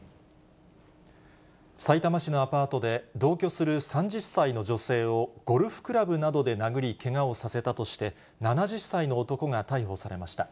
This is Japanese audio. さいたま市のアパートで、同居する３０歳の女性をゴルフクラブなどで殴り、けがをさせたとして、７０歳の男が逮捕されました。